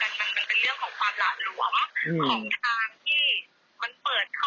เพิ่งถ้ามันมีอะไรกั้นซ้าหรือมีป้ายบอกซ้า